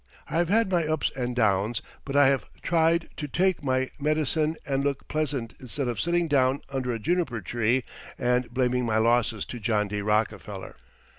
I have had my ups and downs, but I have tried to take my medicine and look pleasant instead of sitting down under a juniper tree and blaming my losses to John D. Rockefeller.